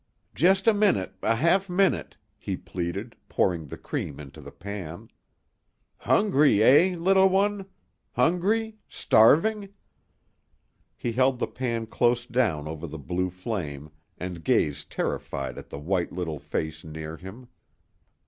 "Just a minute, a half minute," he pleaded, pouring the cream into the pan. "Hungry, eh, little one? Hungry? Starving?" He held the pan close down over the blue flame and gazed terrified at the white little face near him.